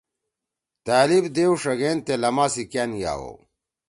طألب دیؤ ݜگین تے لما سی کأن گے آوؤ۔